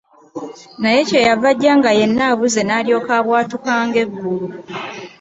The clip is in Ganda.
Naye kye yava ajja nga yenna abuze n'alyoka abwatuka ng'eggulu.